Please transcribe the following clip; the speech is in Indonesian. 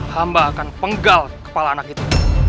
hamba akan penggal kepala anak itu